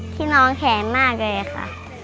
ที่น้องแข็งมากเลยค่ะ